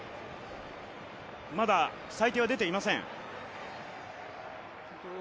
まだ裁定は出ていません。